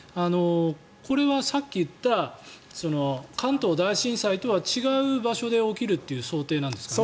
これはさっき言った関東大震災とは違う場所で起きるという想定なんですかね。